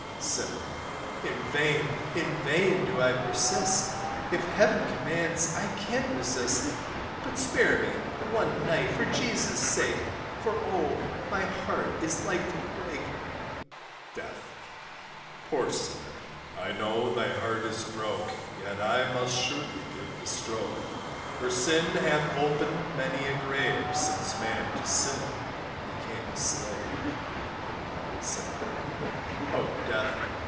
SINNER. In vain, in vain, do I persist, If Heaven commands I can't resist; But spare one night for Jesus' sake, For, oh, my heart is like to break; DEATH. Poor sinner! I know thy heart is broke Yet I must surely give the stroke, For sin hath opened many a grave, Since man to sin became a slave. SINNER. O Death!